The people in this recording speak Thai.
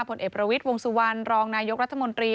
ผลเอกประวิทย์วงสุวรรณรองนายกรัฐมนตรี